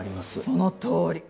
そのとおり。